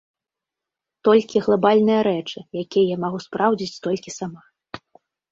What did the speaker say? Толькі глабальныя рэчы, якія я магу спраўдзіць толькі сама.